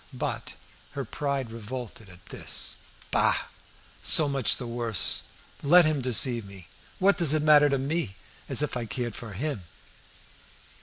But her pride revolted at this. "Bah! so much the worse. Let him deceive me! What does it matter to me? As If I cared for him!"